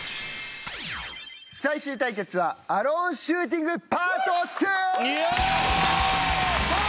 最終対決はアローシューティングＰａｒｔ２。